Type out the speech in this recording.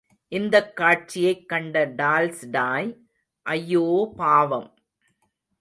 இந்தக் காட்சியைக் கண்ட டால்ஸ்டாய் ஐயோ பாவம்!